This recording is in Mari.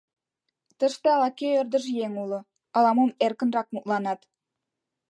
Тыште ала-кӧ ӧрдыж еҥ уло, ала-мом эркынрак мутланат.